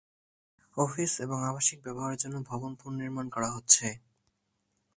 Office এবং আবাসিক ব্যবহারের জন্য ভবন পুনঃনির্মাণ করা হচ্ছে।